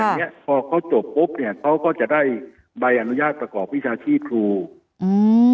เนี้ยพอเขาจบปุ๊บเนี้ยเขาก็จะได้ใบอนุญาตประกอบวิชาชีพครูอืม